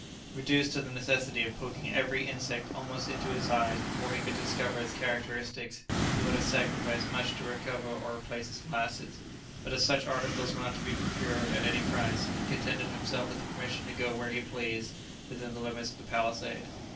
Reduced to the necessity of poking every insect almost into his eyes before he could discover its characteristics, he would have sacrificed much to recover or replace his glasses, but as such articles were not to be procured at any price, he contented himself with the permission to go where he pleased within the limits of the palisade.